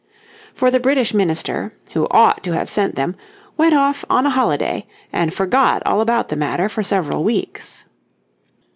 For the British minister, who ought to have sent them, went off on a holiday and forgot all about the matter for several weeks.